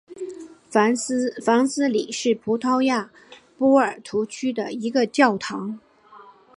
凡泽里什是葡萄牙波尔图区的一个堂区。